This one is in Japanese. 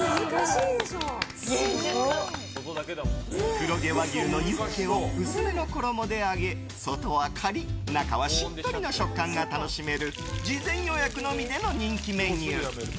黒毛和牛のユッケを薄めの衣で揚げ外はカリッ中はしっとりの食感が楽しめる事前予約のみでの人気メニュー。